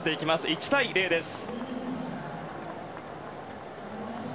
１対０です。